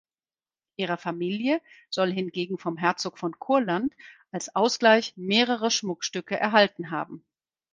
Ihre Familie soll hingegen vom Herzog von Kurland als Ausgleich mehrere Schmuckstücke erhalten haben.